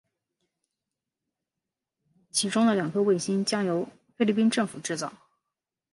其中的两颗卫星将由菲律宾政府制造。